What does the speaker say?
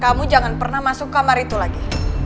kamu jangan pernah masuk kamar itu lagi